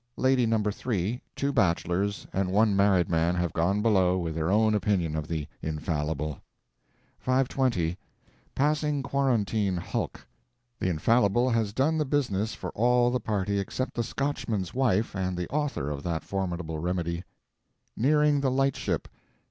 Lady No. 3, two bachelors, and one married man have gone below with their own opinion of the infallible. 5.20. Passing Quarantine Hulk. The infallible has done the business for all the party except the Scotchman's wife and the author of that formidable remedy. Nearing the Light Ship.